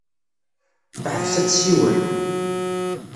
Teḥbes ad tessiwel.